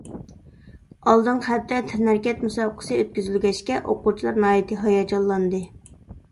ئالدىنقى ھەپتە تەنھەرىكەت مۇسابىقىسى ئۆتكۈزۈلگەچكە ئوقۇغۇچىلار ناھايىتى ھاياجانلاندى.